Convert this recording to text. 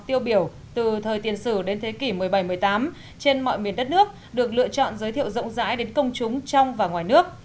tiêu biểu từ thời tiền sử đến thế kỷ một mươi bảy một mươi tám trên mọi miền đất nước được lựa chọn giới thiệu rộng rãi đến công chúng trong và ngoài nước